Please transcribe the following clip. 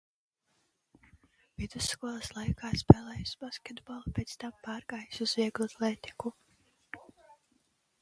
Vidusskolas laikā spēlējusi basketbolu, pēc tam pārgājusi uz vieglatlētiku.